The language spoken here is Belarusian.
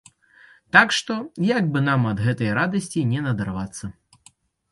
Так што, як бы нам ад гэткай радасці не надарвацца.